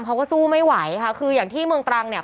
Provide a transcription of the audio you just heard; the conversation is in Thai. เขาก็สู้ไม่ไหวค่ะคืออย่างที่เมืองตรังเนี่ย